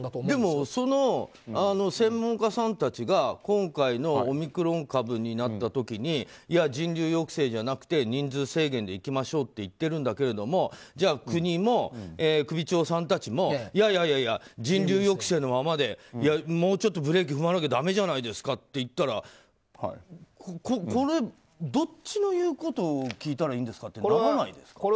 でも、その専門家さんたちが今回のオミクロン株になった時に人流抑制じゃなくて人数制限でいきましょうって言ってるんだけれどもじゃあ、国も首長さんたちもいやいや人流抑制のままでもうちょっとブレーキ踏まなきゃだめじゃないですかっていったらこれはどっちの言うことを聞いたらいいんですかってならないですか？